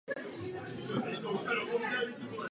Stanley opustil armádu a vydal se do politiky.